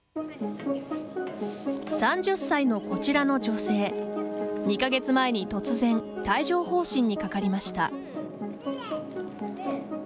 ３０歳のこちらの女性２か月前に突然帯状ほう疹にかかりました。